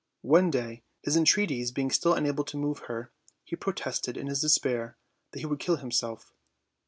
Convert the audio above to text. One day, his entreaties being still unable to move her, he protested, in his despair, that he would kill himself.